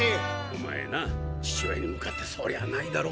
おまえな父親に向かってそりゃないだろ。